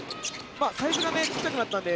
サイズが小さくなったので。